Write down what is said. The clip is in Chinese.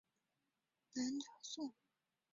刘邕是南北朝时期南朝宋官员。